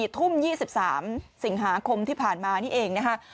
ทุ่ม๒๓สิงหาคมที่ผ่านมานี่เองนะคะ